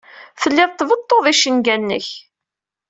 Telliḍ tbeḍḍuḍ icenga-nnek.